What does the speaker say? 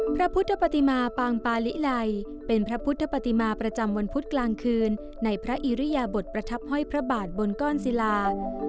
พระพุทธปฏิมาปางปาลิไลเป็นพระพุทธปฏิมาประจำวันพุธกลางคืนในพระอิริยบทประทับห้อยพระบาทบนก้อนศิลา